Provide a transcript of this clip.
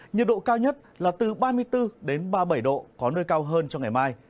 nhiệt độ cao nhất là từ ba mươi bốn đến ba mươi bảy độ có nơi cao hơn cho ngày mai